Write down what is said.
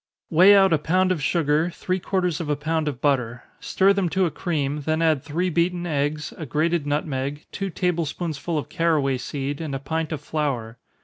_ Weigh out a pound of sugar, three quarters of a pound of butter stir them to a cream, then add three beaten eggs, a grated nutmeg, two table spoonsful of caraway seed, and a pint of flour.